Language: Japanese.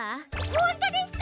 ほんとですか！？